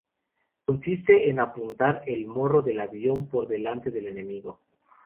Consiste en apuntar el morro del avión por delante del enemigo.